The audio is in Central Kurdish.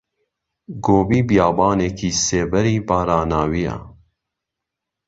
گۆبی بیابانێکی سێبەری باراناویە